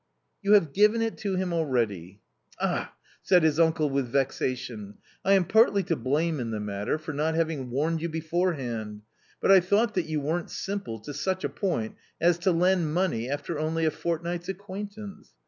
" You have given it him already ! Ah !" said his uncle with vexation :—" I am partly to blame in the matter, for not having warned you beforehand ; but I thought that you weren't simple to such a point as to lend money after only a fortnight's acquaintance.